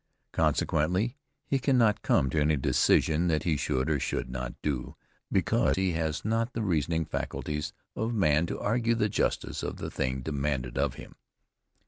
Consequently, he cannot come to any decision what he should or should not do, because he has not the reasoning faculties of man to argue the justice of the thing demanded of him.